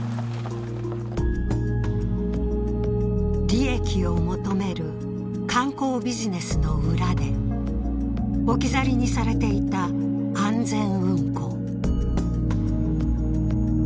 利益を求める観光ビジネスの裏で置き去りにされていた安全運航。